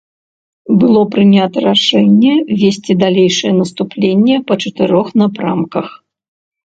Было прынята рашэнне весці далейшае наступленне па чатырох напрамках.